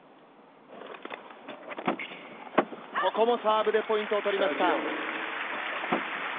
ここもサーブでポイントを取りました。